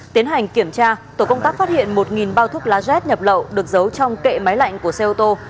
tiến hành kiểm tra tổ công tác phát hiện một bao thuốc lá z nhập lậu được giấu trong kệ máy lạnh của xe ô tô